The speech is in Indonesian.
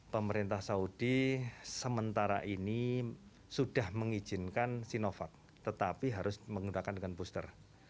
pemerintah saudi sementara ini sudah mengizinkan sinovac tetapi harus menggunakan dengan booster